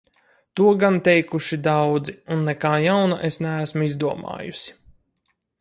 To gan teikuši daudzi un nekā jauna es neesmu izdomājusi.